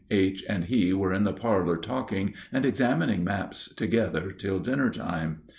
H. and he were in the parlor talking and examining maps together till dinner time.